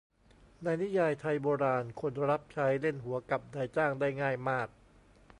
ในนิยายไทยโบราณ คนรับใช้เล่นหัวกับนายจ้างได้ง่ายมาก